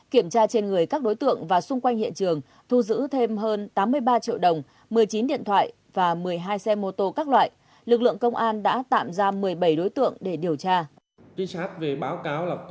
kiểm tra trên người các đối tượng và xung quanh hiện trường thu giữ thêm hơn tám mươi ba triệu đồng một mươi chín điện thoại và một mươi hai xe mô tô các loại lực lượng công an đã tạm giam một mươi bảy đối tượng để điều tra